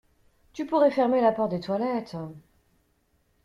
Tu pourrais fermer la porte des toilettes...